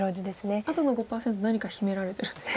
あとの５％何か秘められてるんですか？